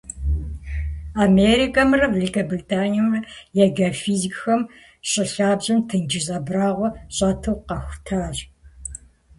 Америкэмрэ Великобританиемрэ я геофизикхэм щӀы лъабжьэм тенджыз абрагъуэ щӀэту къахутащ.